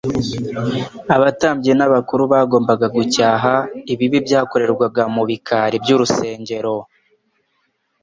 abatambyi n'abakuru bagombaga gucyaha ibibi byakorerwaga mu bikari by'urusengero